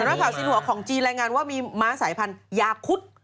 สมมะข่าวสินหัวของจีนแรงงานว่ามีม้าสายพันธุ์